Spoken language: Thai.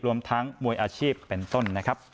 รวมทั้งมวยอาชีพเป็นต้น